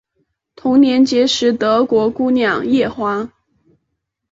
同年结识德国姑娘叶华。